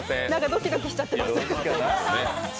ドキドキしちゃってます。